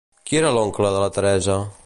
Qui era l'oncle de la Teresa?